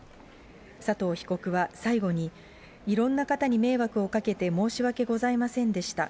佐藤被告は最後に、いろんな方に迷惑をかけて申し訳ございませんでした。